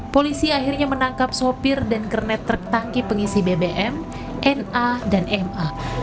polisi akhirnya menangkap sopir dan kernet truk tangki pengisi bbm na dan ma